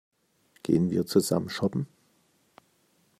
Gehen wir zusammen shoppen?